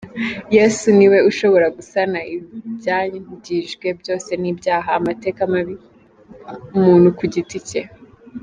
Yesu niwe ushobora gusana ibyangijwe byose n’Ibyaha, amateka mabi, umuntu ku giti ke.